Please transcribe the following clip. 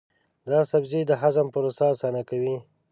دا سبزی د هضم پروسه اسانه کوي.